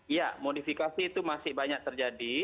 ya modifikasi itu masih banyak terjadi